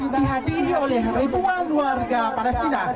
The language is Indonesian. dihadiri oleh ribuan warga palestina